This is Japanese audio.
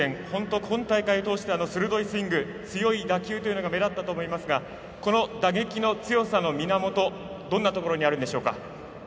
本当に今大会通して強い打球が目立ったと思いますがこの打撃の強さの源どんなところにあるんでしょうか。